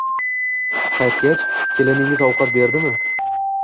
Qaytgach, Keliningiz ovqat berdimi